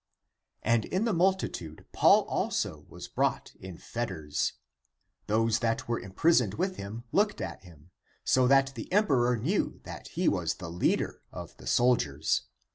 And in the multitude Paul also was brought in fetters. Those that were imprisoned with him looked at him, so that the emperor knew that he was the leader of the soldiers.